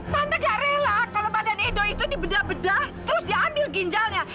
tante gak rela kalau badan edo itu dibedah bedah terus dia ambil ginjalnya